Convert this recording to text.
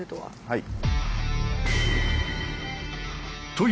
はい。